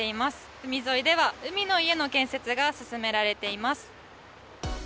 海沿いでは、海の家の建設が進められています。